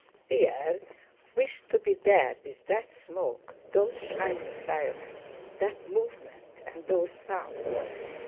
Pierre wished to be there with that smoke, those shining bayonets, that movement, and those sounds.